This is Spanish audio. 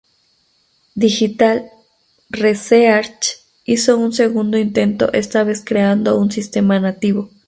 Digital Research hizo un segundo intento esta vez creando un sistema nativo.